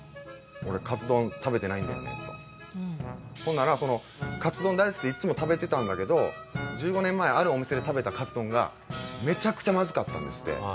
ほんならそのカツ丼大好きでいっつも食べてたんだけど１５年前あるお店で食べたカツ丼がめちゃくちゃまずかったんですって。